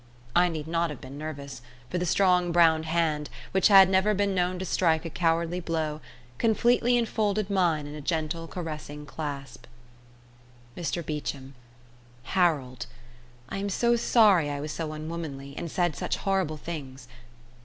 I need not have been nervous, for the strong brown hand, which had never been known to strike a cowardly blow, completely enfolded mine in a gentle caressing clasp. "Mr Beecham, Harold, I am so sorry I was so unwomanly, and said such horrible things.